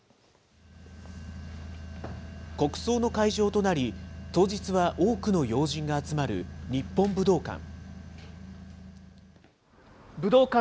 国葬の会場となり、当日は多くの要人が集まる日本武道館。